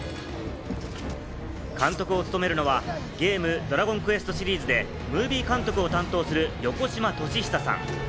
監督を務めるのはゲーム『ドラゴンクエスト』シリーズでムービー監督を担当する横嶋俊久さん。